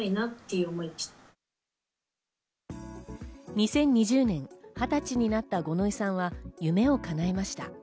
２０２０年、２０歳になった五ノ井さんは夢を叶えました。